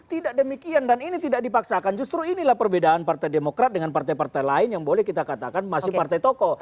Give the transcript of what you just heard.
tidak demikian dan ini tidak dipaksakan justru inilah perbedaan partai demokrat dengan partai partai lain yang boleh kita katakan masih partai toko